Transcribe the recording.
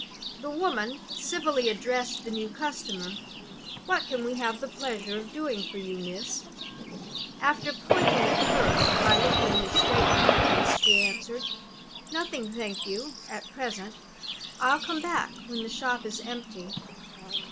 The woman civilly addressed the new customer. 'What can we have the pleasure of doing for you, miss?' After pointing it first by looking me straight in the face, she answered, 'Nothing, thank you, at present. I'll come back when the shop is empty.